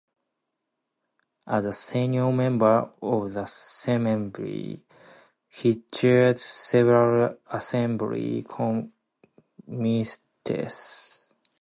As a senior member of the Assembly, he chaired several Assembly committees.